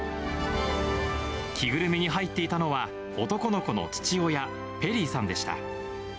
着ぐるみに入っていたのは、男の子の父親、ペリーさんでした。